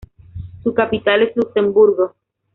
Su capital es Luxemburgo.